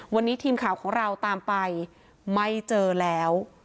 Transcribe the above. วันนี้ทีมข่าวของเราตามไปไม่เจอแล้ว